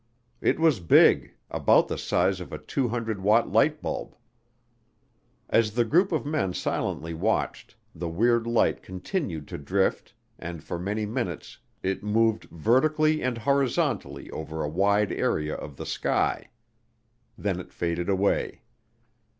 It was big, about the size of a 200 watt light bulb. As the group of men silently watched, the weird light continued to drift and for many minutes it moved vertically and horizontally over a wide area of the sky. Then it faded away.